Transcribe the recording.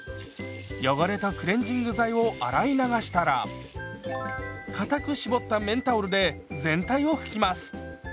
汚れとクレンジング剤を洗い流したらかたく絞った綿タオルで全体を拭きます。